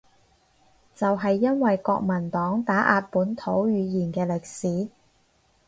就係因為國民黨打壓本土語言嘅歷史